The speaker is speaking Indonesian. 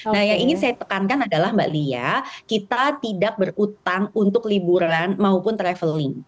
nah yang ingin saya tekankan adalah mbak lia kita tidak berutang untuk liburan maupun traveling